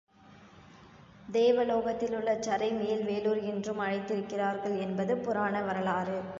தேவலோகத்திலுள்ள ஜரை மேல்வேளூர் என்றும் அழைத்திருக்கிறார்கள் என்பது புராண வரலாறு.